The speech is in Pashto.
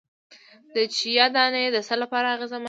د چیا دانه د څه لپاره اغیزمنه ده؟